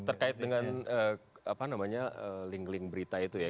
terkait dengan apa namanya link link berita itu ya